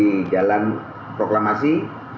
di jalan proklamasi